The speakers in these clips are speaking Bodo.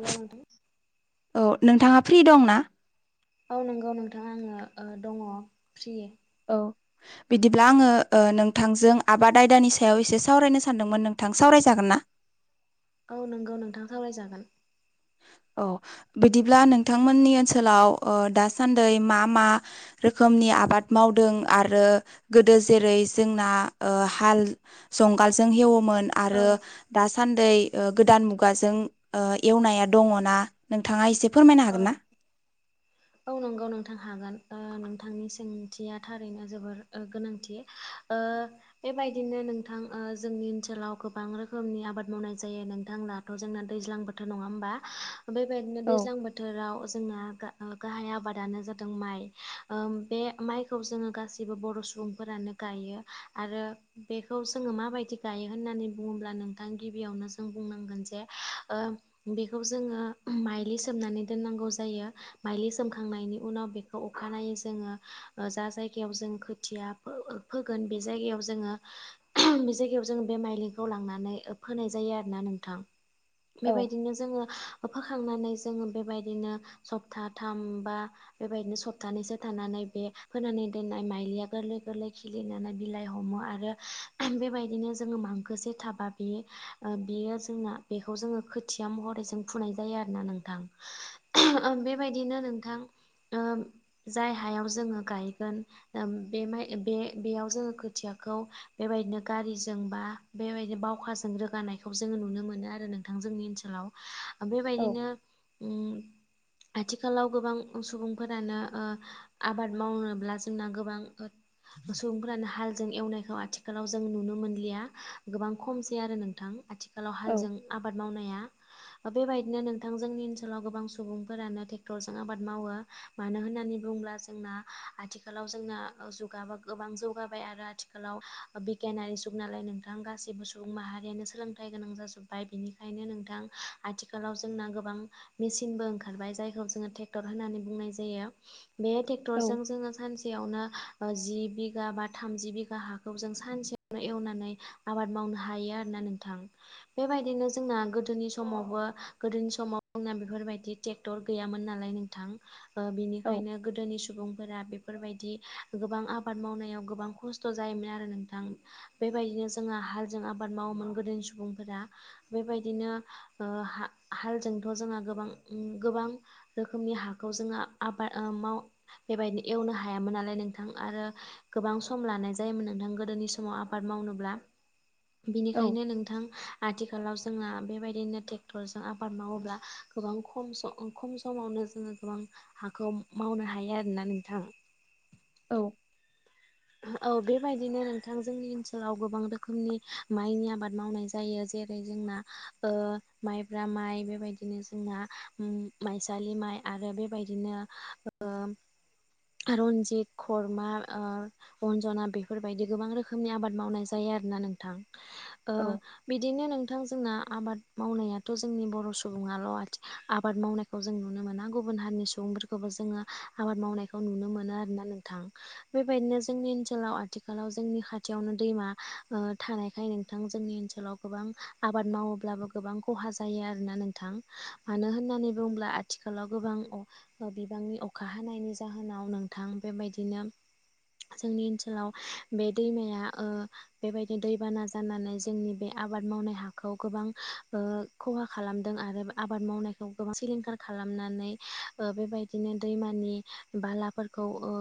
एला उथो औ नोंथाङा फ्रि दं ना? औ नंगौ नोंथाङा आङो दङ फ्रि बिदिब्ला आङो औ नोंथांजों आबाद आयदानि सायाव एसे सावरायनो सानदोंमोन नोंथां सावरायजागोन ना? औ नंगौ नोंथां सावरायजागोन। [inaudible] औ बिदिब्ला नोंथांमोननि ओनसोलाव दासान्दै मा मा रोखोमनि। आबाद मावदों आरो गोदो जेरै जोंना हाल जंगालजों हेव औ आरो दा सानदै गोदान मुगाजों एवनाय। दङ ना नोंथाङा एसे। औ ना? औ नंगौ नोंथां हागोन। नोंथांनि सोंथिया थारैनो जोबोर गोनांथि बेबायदिनो। नोंथां जोंनि ओनसोलाव गोबां रोखोमनि आबाद मावनाय जायो नोंथांनाथ' जोंना दैज्लां बोथोर नङा। हबा बेबायदिनो औ दैजां बोथोराव बोथोराव जोंना गाहाय आबादानो जादों माइ बे माइखौ जोङो गासै। जेबो बर' सुबुंफोरानो गायो आरो बेखौ जोङो माबायदि गायो होननानै बुङोब्लानो। नोंथां गिबियावनो जों बुंनांगोन जे बेखौ जोङो माइलि सोबनानै। ज म सखांनायनि उनाव बेखौ अखानायै जोङो जायायाव ज खोथिया फोगोन बै जायगायाव लांनानै जोङो। जायो आरोना नोंथां औ बेबायदिनो जोङो फोखांनानै बेबाय। बिदिनो सप्ता थाम बा बेबायदिनो सप्तानैसो थानानै बे फोनानै दोननाय माइ गोरलै गोरलै खिलिनानै बिलाइ हमो आरो बेबायदिनो जोङो मांखोसे थाबा बियो जोंना बेखौ जोङो खोथिया महरै जों फुनाय जायो आरोना नोंथां बेबायदिनो नोंथां जाय हायाव जोङो गायगोन बे बेयाव जोङो खोथिया खौ बेबायदिनो गारिजों बा बेबायदिनो बावखाजों रोगानायखौ जोङो नुनो मोनो आरो नोंथां जोंनि ओनसोलाव औ बेबायदिनो [inaudible] आथिखालाव गोबां सुबुंफोरानो आबाद मावनोब्ला जोंना गोबां सुबुंफोरानो हालजों एवनायखौ आथिखालाव जों नुनो मोनलिया गोबां खमसै आरो नोंथां आथिखाल आथिखालाव औ हालजों आबाद मावनाया बेबायदिनो नोंथां जोंनिओनसोलाव गोबां सम सुबुंफोरानो ट्रेक्टरजों आबाद मावो मानो होननानै बुङोब्ला जोंना आथिखालाव जोंना जुगाबा गोबां जौगाबाय आरो आथिखालाव बिगियानारि जुग नालाय नोंथां गाससिबो सुबुं माहारि नो सोलोंथाइ गोनां जाजोब्बाय बिनिखायनो नोंथां आथिखालाव जोंना गोबां सिनबो ओंखारबाय जायखौ जोङो ट्रेक्टर होन्नानै बुंनाय जायो बे औ ट्रेक्टरजों जोङो सानसेयावनो जि बिगा बा थामजि बिघा हाखौ जों सानसेयाव एवनानै आबाद मावनो हायो आरो ना नोंथां बेबायदिनो जोंना गोदोनि समावबो गोदोनि समाव ज बेफोरबायदि ट्रेक्टर गैयोन नालाय नोंथां औ बिनिायनो गोदोनि सुबुं फोर बेफोरबायदि गोबां आबाद मावनायाव गोबां खस्थ' जायोमोन आरो नोंथां बेबायदि नो जोंहा हाल जों आबाद मावोमोन गोदोनि सुबुंफोरा बेबायदिनो हाल जोंथ' जोंहा गोबां गोबां रोखोमनि हाखौ जोङो आबाद माव बेबायदिनो एवनो हायामोन नालाय नों नोंथां आरो गोबां सम लानाय जायोमोन नोंथां गोदोनि समाव आबाद मावनोब्ला [inaudible] औ बिनिखायनो नोंथां आथिखाल आथिखालाव जोंना बेबायदिनो ट्रेक्टरजों आबाद मावोब्ला गोबां खम सम खम समावनो जोङो गोबां हाखौ मावनो हायो आरोना नोंथां औ औ बेबायदिनो नोंथां जोंनि ओनसोलाव गोबां रोखोमनि माइनि आबाद मावनाय जायो जेरै जों माइब्रा माइ बेबायदिनो जोंना माइसालि माइ आरो बेबायदिनो रन्जित खर्मा जोंनो नोंथां जोंना आबाद मावनायाथ' जोंनि बर' सुबुङाल' आथिं आबाद मावनायखौ जों नुनो मोना गुबुन गुबुन हारिनि सुबुंफोरखौबो जोङो आबाद मावनायखौ नुनो मोनो आरोना नोंथां बेबायदिनो जोंनि ओनसोलाव आथिखालाव जोंनि खाथियावनो दैमा थानायखाय नोंथां जोंनि ओनसोलाव गोबां आबाद मावोब्लाबो गोबां खहा जायो आरोना नोंथां मानो होननानै बुङोब्ला आथिखालाव गोबां बिबांनि अखा हानायनि जाहोनाव नोंथां बेबायदिनो [inaudible] जोंनि ओनसोलाव बे दैमाया बेबायदिनो दैबाना जानानै जोंनि बे आबाद आबाद मावनाय हाखौ गोबां खहा खालामदों आरो आबाद मावनायखौ गोबां सिलिंखार खालामनो बेबायदिनो दैमानि बाथ्राफोरखौ ओ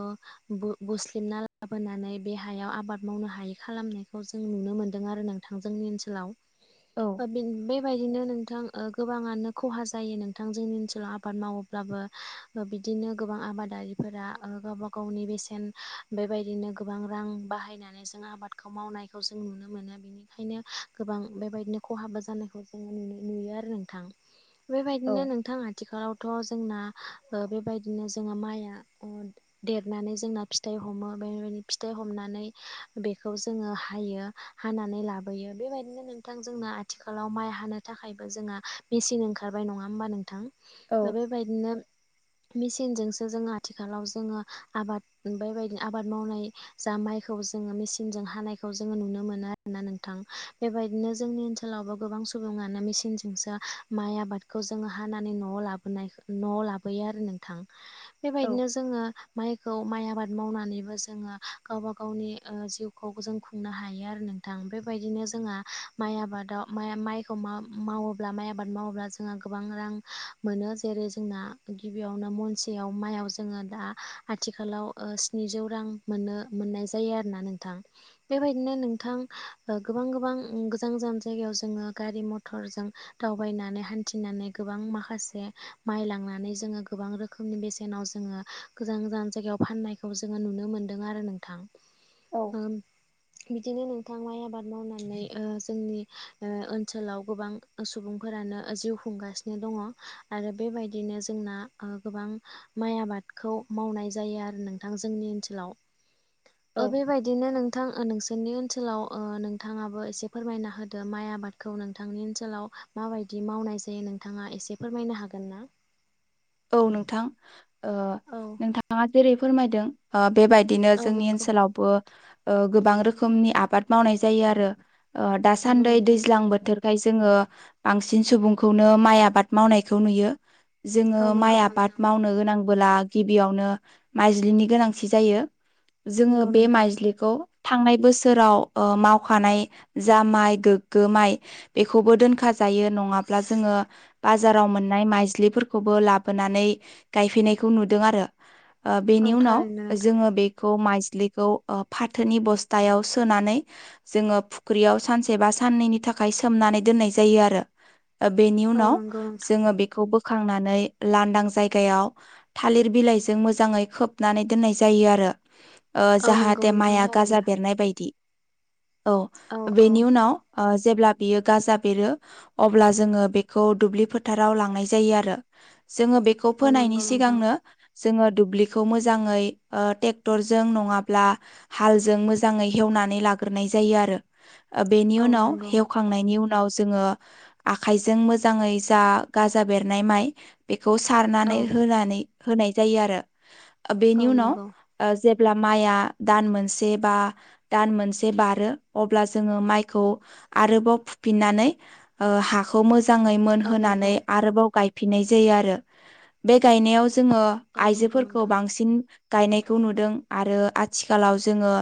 जबना लाबोनानै बे हायाव आबाद मावनो हायि खालामनायखौ जों नुनो मोन्दों आरो नोंथां जोंनि ओनसोलाव औ बेबायदिनो नों नोंथां गोबाङानो खहा जायो नोंथां जोंनि ओनसोलाव आबाद मावोब्लाबो बिदिनो गोबां आबादारिफोरा गावबा गावनि बेसेन बेबायदिनो गोबां रां बाहायनानै जों आबादखौ मावनायखौ जों नुनो मोनो बेनिखायनो गोबां गोबां बेबायदिनो खहाबो जानायखौ जोङो नुयो नुयो आरो नोंथां बेबायदिनो औ नोंथां आथिखालावथ' जोंना बेबायदिनो जों माइआ देरनानै जोंना फिथाइ हमो बेदि फिथाइ हमनानै बेखौ जोङो हायो हानानै लाबोयो बेबायदिनो नोंथां जोंना आथिखालाव माइ हानो थाखायबो जोंहा मेचन ओंखारबाय नङा होमबा नोंथां औ दा बेबायदिनो मेसिनजोंसो जोङो आथिखालाव जोङो आबाद बेबायदिनो आबाद मावनाय जा माइखौ जोङो मेसिनजों हानायखौ जोङो नुनो मोनो आरोना नोंथां बेबायदिनो जोंनि ओनसोलावबो गोबां सुबुङानो मेसिनजोंसो माइ आबादखौ जोङो हानानै नवाव लाबोनाय नवाव लाबोयो आरो नोंथां औ बेबायदिनो माइखौ माया आबाद मावनानैबो जोङो गावबा गावनि जिउखौ जों खुंनो हायो आरो नोंथां बेबायदिनो नो जोंना माइ आबादाव माइखौ मावोब्ला माइ आबाद मावोब्ला जोंहा गोबां रां मोनो जेरै जोंना गिबियावनो महनसेयाव माइयाव जोङो दा आथिखालाव ओ स्निजौ रां मोनो मोननाय जायो आरोना नोंथां बेबायदिनो नोंथां ओ गो गोबां गोबां गोजान गोजान जायगायाव जोङो गारि मथर जों दावबायनानै हान्थिनानै गोबां माखासे माइ लांनानै जोङो गोबां रोखोमनि बेसेनाव जोङो गोजान गोजान जायगा फाननायखौ जोङो नुनो मोनदों आरो नोंथां औ ओ बिदिनो नोंथां माइ आबाद मावनानै ओ जोंनि ओनसोलाव गोबां सुबुंफोरानो ओ जिउ खुंगासिनो दङ'आरो बेबायदिनो जोंना ओ गोबां माइ आबादखौ माव मावनाय जायो आरो नोंथां जोंनि ओनसोलाव औ ओ बेबायदिनो नोंथां ओ नों नोंनि ओनसोलाव नोंथाङाबो एसे फोरमायना होदो माइ आबादखौ नोंथांनि ओनसोलाव माबायदि बिदि मावनाय जायो नोंथाङा एसे फोरमायनो हागोन ना? औ नोंथां ओ औ नोंथाङा जेरै फोरमायदों बेबायदिनो औ जोंनि नंगौ ओनसोलावबो ओ गोबां रोखोमनि आबाद मावनाय जायो आरो ओ नंगौ दासान्दै नोंथां दैज्लां बोथोरखाय जोङो बांसिन सुबुंखौनो माइ आबाद मावनायखौ नुयो, जोङो औ माइ नंगौ आबाद नोंथां मावनो गोनां बोला गिबियावनो माइज्लिनि गोनांथि जायो जोङो नंगौ बे नोंथां माइज्लिखौ थांनाय बोसोराव ओ मावखानाय जा माइ गोग्गो माइ बेखौबो दोनखा जा नङाब्ला जोङो बाजाराव मोननाय माइज्लिफोरखोबो लाब नानै गायफैनायखौ नुदों आरो ओ औ बेनि उनाव थारैनो नोंथां जोङो बे खौ माइज्लिखौ ओ फाथोनि बस्तायाव सोनानै जोङो फुख्रियाव सानसे बा साननैनि थाखाय सोमनानै दोननाय जायो आरो बेनि औ उनाव नंगौ नोंथां जोङो बेखौ बोखांनानै लानदां जायगायाव थालिर बिलाइजों मोजाङै खोबनानै दोननाय जायो आरो ओ औ नंगौ जाहाथे नोंथां माइआ गाजा थारैनो बेरनाय बायदि औ बेनि उनाव ओ जेब्ला बियो गाजा बेरो अब्ला जोङो बेखौ दुब्लि फोथाराव लांनाय जायो आरो जोङो बेखौ औ फोनायनि नंगौ नोंथां सिगांनो जोङो दुब्लिखौ मोजाङै ओ टेक्टरजों नङाब्ला हालजों मोजाङै हेव नानै लाग्रोनाय जायो आरो बेनि औ उनाव नंगौ हेवखांनायनि उना उनाव जोङो आखाइजों मोजाङै जा गाजा बेरनाय माइ बेखौ औ सारनानै होनानै होनाय जायो आरो बेनि औ उनाव नंगौ ओ जे ब्ला माइआ दान मोनसे बा दान मोनसे बारो अब्ला जोङो माइखौ आरोबाव फुफिननानै ओ हाखौ मोजा ङै औ मोनहोनानै नंगौ आरोबाव गायफिननाय जायो आरो बे गायनायाव जोङो औ नंगौ आइजोफोरखौ नोंथां बांसिन गायनायखौ नुदों। आरो आथिखालाव जोङो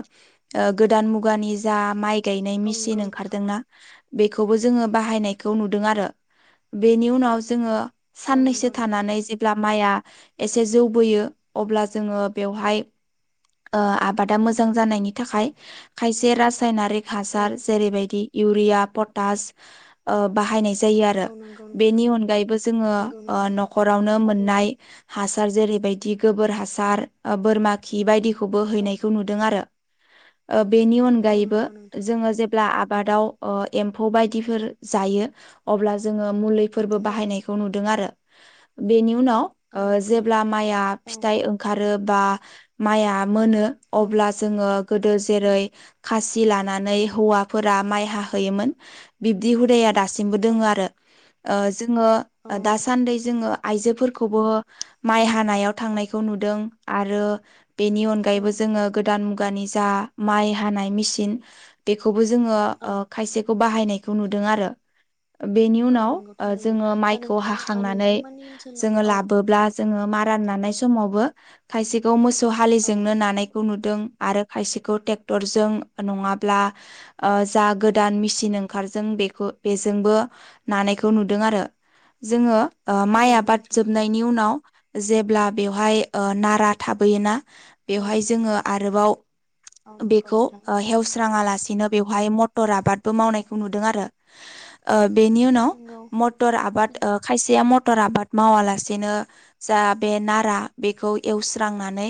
ओ गोदान मुगानि जा माइ गायनाय औ मेसिन नंगौ नोंथां ओंखारदोंना बेखौबो जोङो बाहायनायखौ नुदों आरो बेनि उनाव जोङो औ साननैसो नंगौ नोंथां थानानै जेब्ला माइआ एसे जौ बोयो अब्ला जोङो बेवहाय ओ आबादा मोजां जानायनि थाखाय खायसे रासायनारिक औ हासार जेरैबायदि इउरिया, पटास ओ बाहायनाय जो यो आरो औ नंगौ नोंथां बेनि अनगायैबो जोङो नंगौ ओ नंगौ नख'रावनो थारैनो मोननाय हा जेरैबायदि गोबोर हासार ओ बोरमा खि बायदिखौबो औ हैनायखौ नुदों आरो ओ बेनि औ अनगायैबो नंगौ नोंथां जोङो जेब्ला आ बादाव ओ एमफौ बायदिफोर जायो अब्ला जोङो मुलिफोरबो औ बाहायनायखौ। नुदों आरो बेनि उनाव औ ओ नंगौ जेब्ला माइया औ फिथाइ ओंखारो। बा माइया मोनो औ अब्ला जोङो गोदो जेरै खास लानानै हौवाफोरा माइ हाहोयोमोन बिदि हुदाया दासि सिमबो औ दोङो आरो ओ जोङो। औ दासान्दै जोङो आइजोफोरखौबो माइ हानायाव थांनायखौ नुदों आरो। बेनि अनगायैबो जोङो गोदान मुगानि जा माइ हानाय मेसिन बेखौ। खौ जोङो औ ओ खायसेखौ बाहायनायखौ नुदों आरो। ओ बेनि उनाव नंगौ ओ थारैनो जोङो माइ। खौ नोंथां हाखांनानै नोंथांमोननि ओनसोलाव जोङो औ लाबोब्ला जोङो मारा नानाय समावबो खायसेखौ मोसौ औ हालिजोंनो नानाय। खौ नुदों आरो खायसेखौ टेक्टरजों नङाब्ला ओ जा गोदान मेसिन। ओंखारजों बेखौ बेजोंबो नानायखौ नुदों आरो। जोङो ओ माइ थारैनो आबाद नोंथां जोबनायनि उनाव जेब्ला बेवहाय ओ नारा थाबोयोना। औ बेवहाय नंगौ जोङो आरोबाव औ नंगौ बेखौ नोंथां ओ हेवस्राङाला। सि बेयावहाय मटर आबादबो मावनायखौ नुदों आरो ओ बेनि उनाव। नंगौ मटर आबाद ओ खायसेया मट मटर आबाद मावालासेनो जा बे नारा बेखौ एवस्रांनानै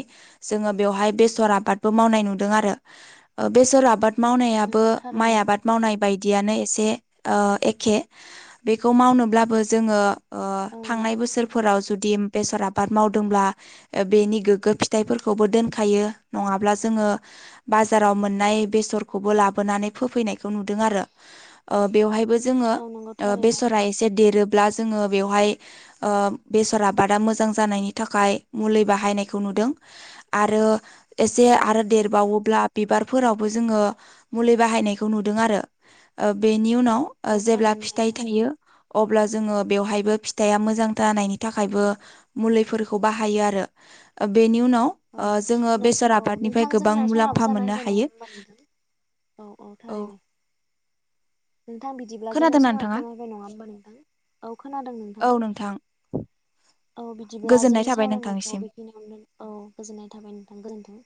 जोङो। बेवहाय बेसर आबादबो मावनाय नुदों आरो ओ बेसर आबाद मावनायाबो नंगौ माइ थारैनो आबाद मावनाय बायदि। दियानो एसे ओ एखे बेखौ मावनोब्लाबो जोङो। ओ औ थांनाय बोसोरफोराव जुदि बेसर आबाद मावदोंब्ला बेनि गोगो फिथाइफोरखौबो दोनखायो नङाब्ला जोङो। ङो बाजाराव मोननाय बेसरखौबो लाबोनानै फोफैनायखौ नुदों आरो। ओ बेवहायबो जों। जोङो औ नंगौ ओ थारैनो बेसरा इसे। देरोब्ला जोङो बेवहाय ओ बेसर आबादा मोजां जानायनि थाखाय मुलि बाहाय नायखौ नुदों। आरो एसे औ आरो देरबावोब्ला बिबारफोरावबो जोङो मुलि बाहायनायखौ नुदों आरो ओ बेनि उनाव। ओ औ जेब्ला थारैनो फिथाइ नोंथां थायो। अब्ला जोङो बेवहायबो फिथाइआ मोजां जानायनि थाखायबो मुलिफोरखौ बाहायो आरो। ओ बेनि नि उनाव औ ओ जोङो बेसर औ आबादनिफ्राय नोंथां गोबां जोंना समाबो मुलाम्फा जाना मोननो होबाय नङा हायो। होमबा नोंथां औ औ थारैनो। नोंथां बिदिब्ला जोंना खोनादोंना नोंथाङा समाबो जाबाय नङा होमबा नोंथां औ खोनादों नोंथां। औ। औ बिदिब्ला गोजोननाय जोंनि थाबाय सावरायनायखौ नोंथांनिसिम। बेखिनियावनो औ गोजोननाय थाबाय नोंथां गोजोनथों।